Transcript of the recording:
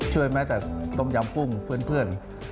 แม้แต่ต้มยำกุ้งเพื่อน